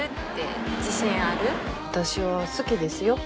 私は好きですよ。